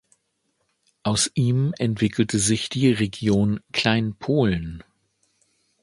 Aus ihm entwickelte sich die Region Kleinpolen.